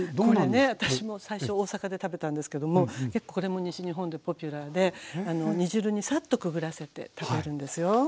これね私も最初大阪で食べたんですけども結構これも西日本でポピュラーで煮汁にさっとくぐらせて食べるんですよ。